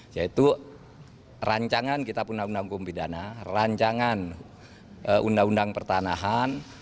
yaitu rancangan kitab undang undang kumpidana rancangan undang undang pertanahan